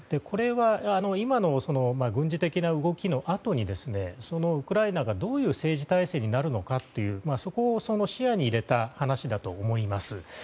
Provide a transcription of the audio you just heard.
これは今の軍事的な動きのあとにウクライナがどういう政治体制になるのかというそこを視野に入れた話だと思います。